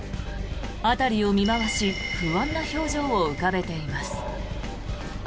辺りを見回し不安な表情を浮かべています。